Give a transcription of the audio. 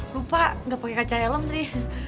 lupa enggak pakai kaca helm tadi